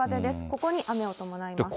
ここに雨を伴います。